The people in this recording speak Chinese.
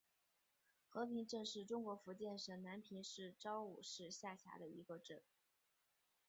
和平镇是中国福建省南平市邵武市下辖的一个镇。